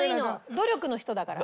努力の人だから。